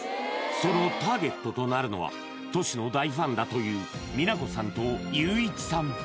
そのターゲットとなるのはＴｏｓｈｌの大ファンだという美奈子さんと佑一さん